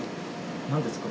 何ですか？